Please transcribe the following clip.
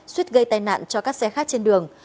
suýt gây tai nạn cho các xe khác trên đường